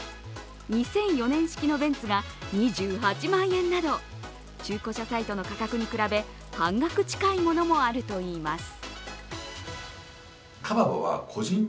２００４年式のベンツが２８万円など中古車サイトの価格に比べ、半額近いものもあるといいます。